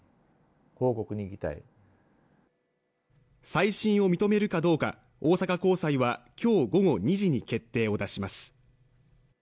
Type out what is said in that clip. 再審を認めるかどうか、大阪高裁は今日午後２時に決定を出します。